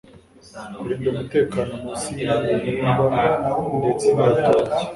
kurinda umutekano munsi y'ibihingwa ndetse n'abaturage